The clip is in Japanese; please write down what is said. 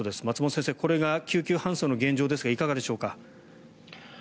松本先生これが救急搬送の現状ですがいかがでしょうか。